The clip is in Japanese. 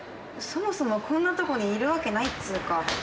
そもそもこんなとこにいるわけないっつうか。